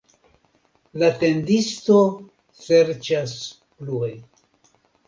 La tendisto serĉas plue.